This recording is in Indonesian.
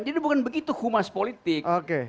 jadi bukan begitu humas politik